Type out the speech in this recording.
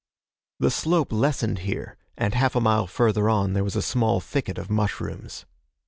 The slope lessened here, and half a mile further on there was a small thicket of mushrooms.